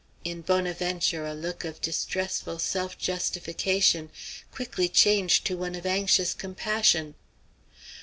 In Bonaventure a look of distressful self justification quickly changed to one of anxious compassion.